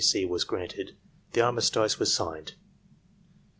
T. C. was granted, the armistice was signed.